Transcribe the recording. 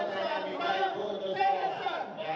kita akan berharap